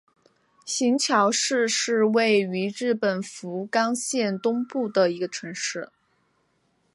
行桥市是位于日本福冈县东部的一个城市。